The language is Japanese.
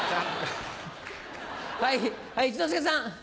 はい一之輔さん。